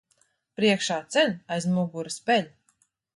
Priekšā ceļ, aiz muguras peļ.